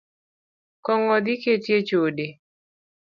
Kong’o dhi keti echode